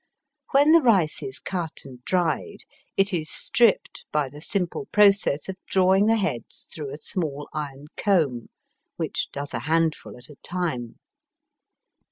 When the rice is cut and dried it is stripped by the simple process of drawing the heads through a smaU iron comb, which does a hand ful at a time.